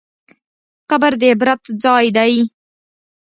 قبر د عبرت ځای دی.